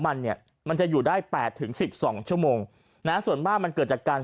มันเนี่ยมันจะอยู่ได้แปดถึงสิบสองชั่วโมงนะส่วนมากมันเกิดจากการ